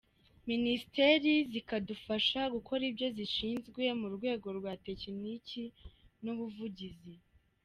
Minisiteri zikadufasha gukora ibyo zishinzwe mu rwego rwa tekiniki n’ubuvugizi.